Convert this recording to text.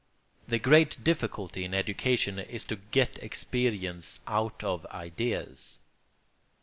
The great difficulty in education is to get experience out of ideas.